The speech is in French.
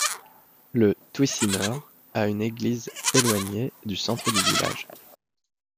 Le Thuit-Simer a une église éloignée du centre du village.